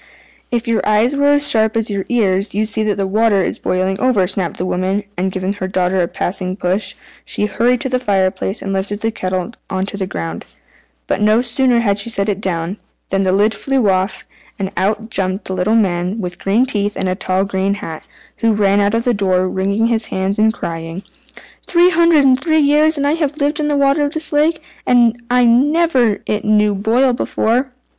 "If your eyes were as sharp as your ears you'd see that the water is boiling over," snapped the woman; and giving her daughter a passing push, she hurried to the fire place, and lifted the kettle on to the ground. But no sooner had she set it down, than the lid flew off, and out jumped a little man with green teeth and a tall green hat, who ran out of the door wringing his hands and crying "Three hundred and three years have I lived in the water of this lake, and I never knew it boil before!"